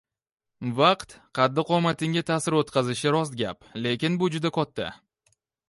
Vaqt qaddi-qomatinga ta’sir o’tkazishi rost gap. Lekin bu juda katta